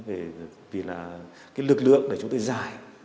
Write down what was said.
vì lực lượng để chúng tôi dài